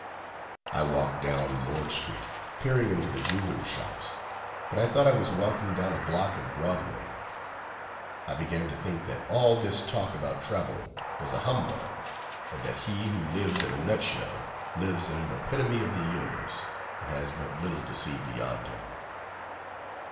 I walked down Lord street, peering into the jewelers' shops; but I thought I was walking down a block in Broadway. I began to think that all this talk about travel was a humbug; and that he who lives in a nut shell, lives in an epitome of the universe, and has but little to see beyond him.